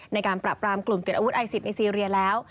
ในการปรับปรามกลุ่มติดอาวุธไอซิสในซีเรียแล้ว